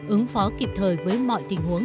ứng phó kịp thời với mọi tình huống